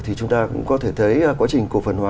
thì chúng ta cũng có thể thấy quá trình cổ phần hóa